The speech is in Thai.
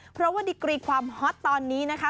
เพราะว่าดิกรีความฮอตตอนนี้นะคะ